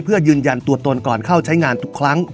เพื่อยืนยันตัวตนก่อนเข้าใช้งานทุกครั้ง